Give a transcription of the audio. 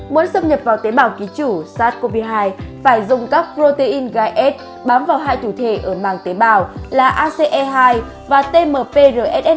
muốn xâm nhập vào tế bào ký chủ sars cov hai phải dùng các protein gai s bám vào hai thủ thể ở màng tế bào là ace hai và tmprss hai